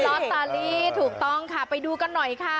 ลอตเตอรี่ถูกต้องค่ะไปดูกันหน่อยค่ะ